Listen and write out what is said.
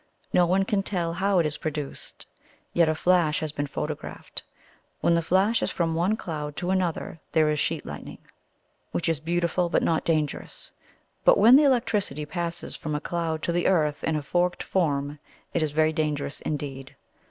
No one can tell how it is produced; yet a flash has been photographed. When the flash is from one cloud to another there is sheet lightning, which is beautiful but not dangerous; but, when the electricity passes from a cloud to the earth in a forked form, it is very dangerous indeed.